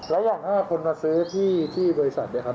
แล้วอย่างถ้าคนมาซื้อที่บริษัทนะครับ